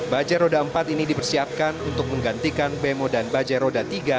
bajai roda empat ini dipersiapkan untuk menggantikan bemo dan bajai roda tiga